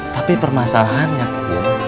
tapi permasalahannya kum